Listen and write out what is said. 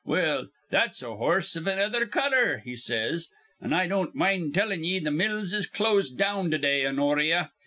Well, that's a horse iv another color,' he says. 'An' I don't mind tellin' ye th' mills is closed down to day, Honoria.'